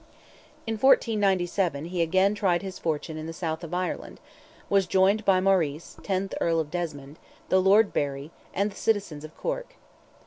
In 1497 he again tried his fortune in the South of Ireland, was joined by Maurice, tenth Earl of Desmond, the Lord Barry, and the citizens of Cork.